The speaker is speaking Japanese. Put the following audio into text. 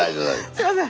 すいません。